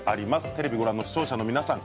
テレビをご覧の視聴者の皆さん